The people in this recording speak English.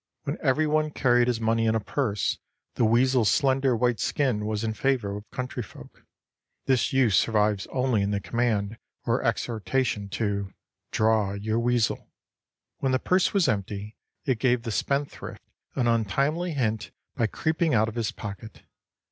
When every one carried his money in a purse, the weasel's slender white skin was in favor with country folk. This use survives only in the command or exhortation to "draw your weasel." When the purse was empty, it gave the spendthrift an untimely hint by creeping out of his pocket.